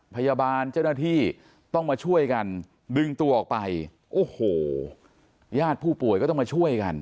พยาบาลเจ้าหน้าที่ต้องมาช่วยกันดึงตัวออกไปโอ้โหญาติผู้ป่วยก็ต้องมาช่วยกัน